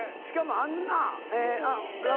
しかもあんな。